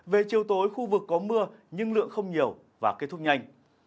về chiều tối khu vực có mưa nhưng lượng không nhiều và kết thúc nhanh